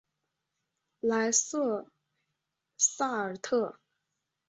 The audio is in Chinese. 莱瑟萨尔特。